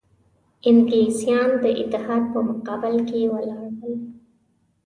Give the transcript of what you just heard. انګلیسیان د اتحاد په مقابل کې ولاړ ول.